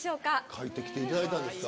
書いて来ていただいたんですか！